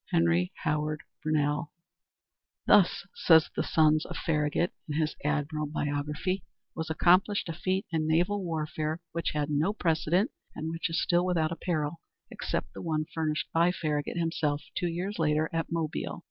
Henry Howard Brownell "Thus," says the son of Farragut, in his admirable biography, "was accomplished a feat in naval warfare which had no precedent, and which is still without a parallel except the one furnished by Farragut himself, two years later, at Mobile.